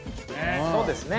そうですね。